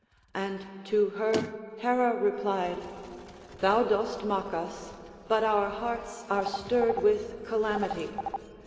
And to her Hera replied: "Thou dost mock us, but our hearts are stirred with calamity.